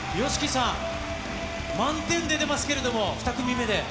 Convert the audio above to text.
ＹＯＳＨＩＫＩさん、満点出てますけれども、２組目で。